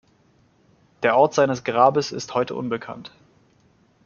Der Ort seines Grabes ist heute unbekannt.